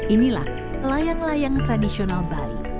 inilah layang layang tradisional bali